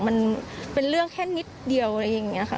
มันเป็นเรื่องแค่นิดเดียวอะไรอย่างนี้ค่ะ